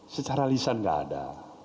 secara lisan nggak ada